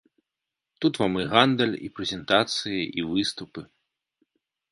Тут вам і гандаль, і прэзентацыі, і выступы.